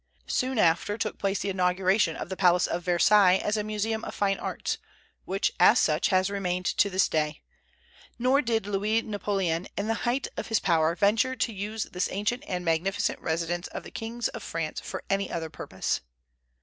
Soon after took place the inauguration of the palace of Versailles as a museum of fine arts, which, as such, has remained to this day; nor did Louis Napoleon in the height of his power venture to use this ancient and magnificent residence of the kings of France for any other purpose.